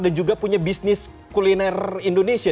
dan juga punya bisnis kuliner indonesia